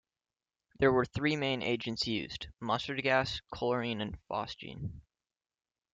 There were three main agents used: mustard gas, chlorine, and phosgene.